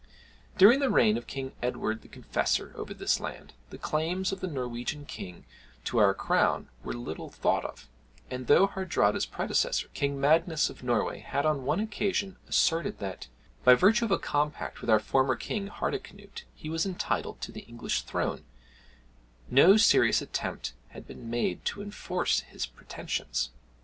During the reign of King Edward the Confessor over this land, the claims of the Norwegian king to our Crown were little thought of; and though Hardrada's predecessor, King Magnus of Norway had on one occasion asserted that, by virtue of a compact with our former king, Hardicanute, he was entitled to the English throne, no serious attempt had been made to enforce his pretensions.